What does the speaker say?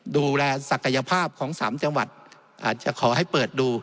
ศักยภาพของสามจังหวัดอาจจะขอให้เปิดดู